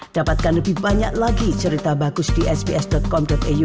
dapatkan lebih banyak lagi cerita bagus di sps com iu